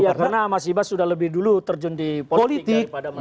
karena mas ibas sudah lebih dulu terjun di politik daripada masyarakat